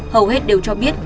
hầu hết đều cho biết